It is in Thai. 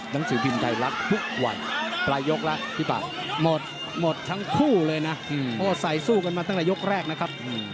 แต่ยกแรกนะครับ